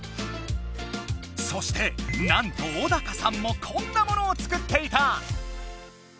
そしてなんとオダカさんもこんなものを作っていた！